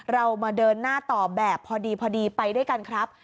เรามาเดินหน้าต่อแบบพอดีพอดีไปด้วยกันครับ